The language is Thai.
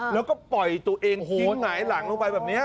แล้วก็ปล่อยตัวเองหัวหงายหลังลงไปแบบนี้